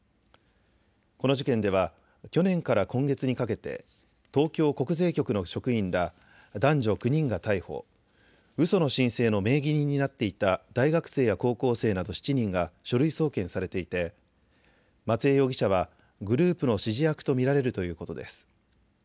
この事件では去年から今月にかけて東京国税局の職員ら男女９人が逮捕、うその申請の名義人になっていた大学生や高校生など７人が書類送検されていて松江容疑者はグループの指示役と見られるということです。